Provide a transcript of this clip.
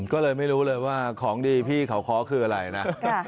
ก็เลยไม่รู้เลยว่าของดีพี่เขาขอคืออะไรนะ